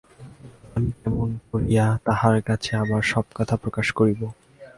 আমি কেমন করিয়া তাঁর কাছে আমার সব কথা প্রকাশ করিব?